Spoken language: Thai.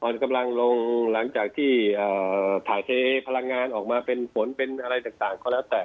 อ่อนกำลังลงหลังจากที่ถาเทพลังงานออกมาเป็นฝนเป็นอะไรต่าง